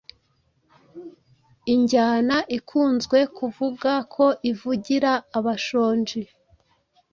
imjyana ikunzwe kuvuga ko ivugira abashonji